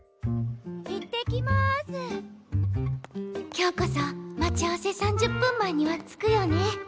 今日こそ待ち合わせ３０分前には着くよね。